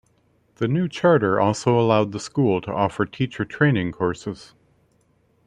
The new charter also allowed the school to offer teacher training courses.